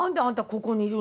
ここにいるの？